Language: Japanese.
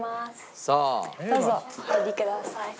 どうぞお入りください。